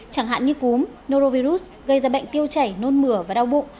chẳng hạn như cúm norovirus gây ra bệnh tiêu chảy nôn mửa và đau bụng